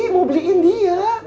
mau beliin dia